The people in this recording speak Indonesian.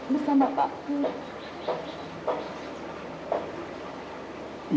bersama pak pur